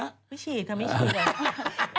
ไม่ฉีดเขาไม่ฉีดเลย